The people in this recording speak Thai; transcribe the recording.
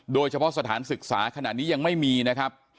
โดยเฉพาะสถานศึกษาขณะนี้ยังไม่มีนะครับ